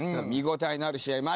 見応えのある試合